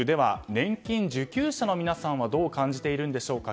年金受給者の方はどう感じているんでしょうか。